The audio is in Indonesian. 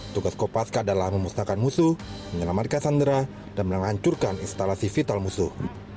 tugas kopaska adalah memusnahkan musuh menyelamatkan sandera dan menghancurkan instalasi vital musuh